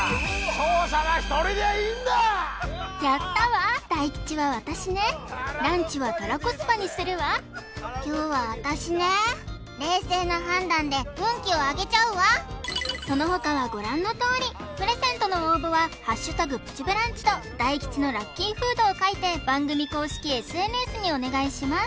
勝者はひとりでいいんだやったわ大吉は私ねランチはたらこスパにするわ凶は私ね冷静な判断で運気を上げちゃうわそのほかはご覧のとおりプレゼントの応募は「＃プチブランチ」と大吉のラッキーフードをかいて番組公式ＳＮＳにお願いします